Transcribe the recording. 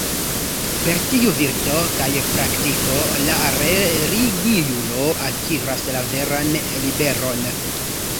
Per tiu virto kaj praktiko la religiulo akiras la veran liberon.